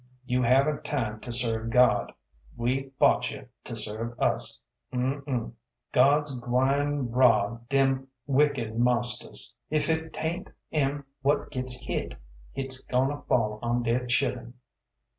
You haven't time to serve God. We bought you to serve us." Um, um. God's gwine 'rod dem wicket marsters. Ef hit 'taint 'em whut gits hit, hits gonna fall on deir chillun.